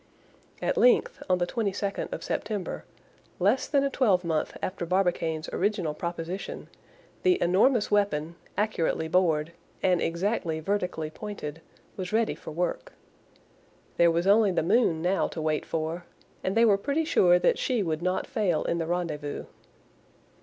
At length, on the 22d of September, less than a twelvemonth after Barbicane's original proposition, the enormous weapon, accurately bored, and exactly vertically pointed, was ready for work. There was only the moon now to wait for; and they were pretty sure that she would not fail in the rendezvous.